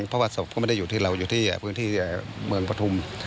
เพราะว่าศพก็ไม่ได้อยู่ที่เราอยู่ที่เมืองประธุม